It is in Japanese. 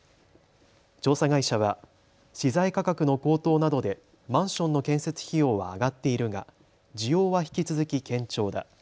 調査会社は資材価格の高騰などでマンションの建設費用は上がっているが需要は引き続き堅調だ。